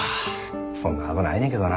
そんなはずないねんけどな。